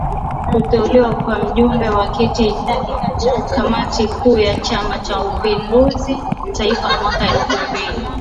kuteuliwa kuwa Mjumbe wa Kamati Kuu ya Chama cha mapinduzi Taifa mwaka elfu mbili